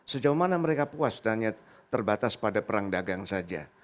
sejauh mana mereka puas dan hanya terbatas pada perang dagang saja